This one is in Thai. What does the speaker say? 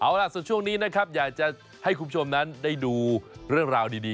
เอาล่ะส่วนช่วงนี้นะครับอยากจะให้คุณผู้ชมนั้นได้ดูเรื่องราวดี